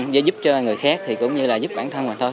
và giúp cho người khác thì cũng như là giúp bản thân mình thôi